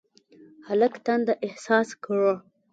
هلک تنده احساس کړه.